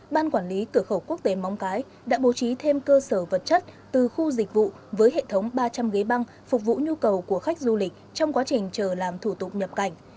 ban quản lý cửa khẩu quốc tế móng cái đã bố trí thêm cơ sở vật chất từ khu dịch vụ với hệ thống ba trăm linh ghế băng phục vụ nhu cầu của khách du lịch trong quá trình chờ làm thủ tục nhập cảnh